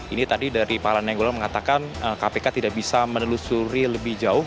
ini tadi dari pak lanegoro mengatakan kpk tidak bisa menelusuri lebih jauh